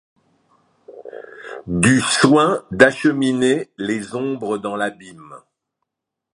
Du soin d’acheminer les ombres dans l’abîme ?